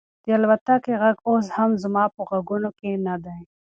د الوتکې غږ اوس زما په غوږونو کې نه دی.